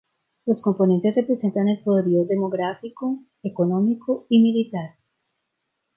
Los componentes representan el poderío demográfico, económico, y militar.